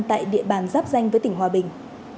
tại địa bàn giáp danh với tỉnh hòa bình